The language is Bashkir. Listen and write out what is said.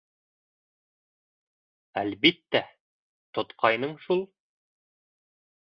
— Әлбиттә, тотҡайның шул.